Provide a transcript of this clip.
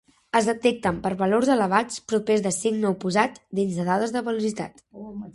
Es detecten per valors elevats propers de signe oposat dins de dades de velocitat.